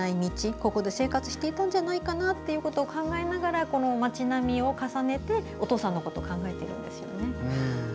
ここで生活していたんじゃないかってことを考えながら街並みを重ねてお父さんのことを考えているんです。